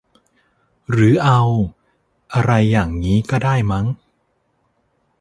หรือเอา อะไรอย่างงี้ก็ได้มั้ง